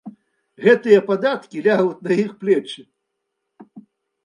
Гэтыя падаткі лягуць на іх плечы.